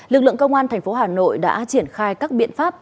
lực lượng công an tp hà nội đã triển khai các biện pháp